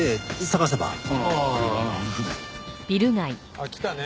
あっ来たね。